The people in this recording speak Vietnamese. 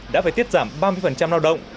đã phải tiết giảm ba mươi lao động của công nhân